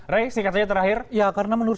rey singkat saja terakhir ya karena menurut